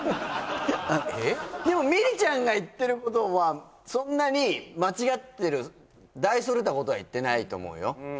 でもミリちゃんが言ってることはそんなに間違ってる大それたことは言ってないと思うよ